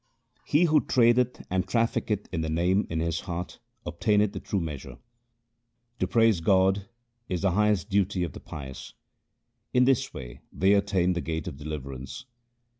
He who tradeth and trafficketh in the Name in his heart obtaineth the true treasure. To praise God is the highest duty of the pious : In this way they attain the gate of deliverance.